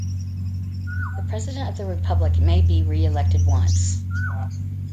The president of the republic may be re-elected once.